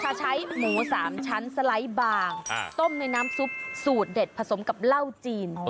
จะใช้หมู๓ชั้นสไลด์บางต้มในน้ำซุปสูตรเด็ดผสมกับเหล้าจีน